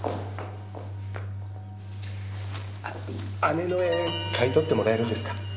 あの姉の絵買い取ってもらえるんですか？